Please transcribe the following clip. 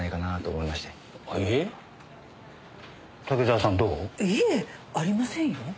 いえありませんよ。